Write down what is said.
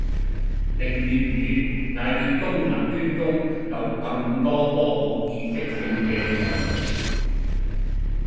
令粵語乃至中文圈中有更多科普知識性嘅內容